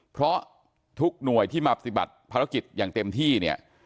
เพราะทุกหน่วยที่มาปฏิบัติภารกิจอย่างเต็มที่เนี่ย